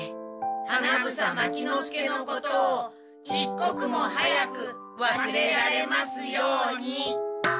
花房牧之介のことを一刻も早くわすれられますように。